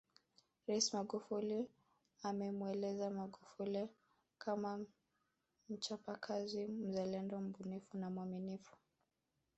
Rais Magufuli amemweleza Mfugale kama mchapakazi mzalendo mbunifu na mwaminifu